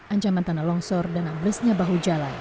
ancaman tanah longsor dan amblesnya bahu jalan